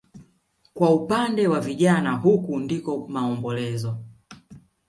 Kwa upande wa vijana huku ndiko maombolezo